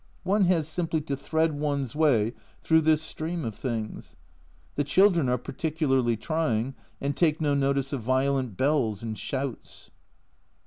One has simply to thread one's way through this stream of things. The children are particularly trying, and take no notice of violent bells and shouts.